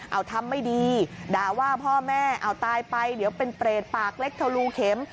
เอาทำไม่ดีด่าว่าพ่อแม่เอาตายไปเดี๋ยวเป็นเปรตปากเล็กทะลูเข็ม